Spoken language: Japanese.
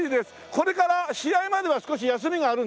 これから試合までは少し休みがあるんですか？